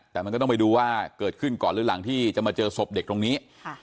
แต่มันก็ต้องไปดูว่าเกิดขึ้นก่อนหรือหลังที่จะมาเจอศพเด็กตรงนี้